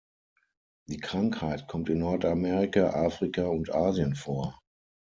Die Krankheit kommt in Nordamerika, Afrika und Asien vor.